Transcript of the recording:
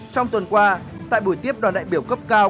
trong tuần qua tại buổi tiếp đoàn đại biểu cấp cao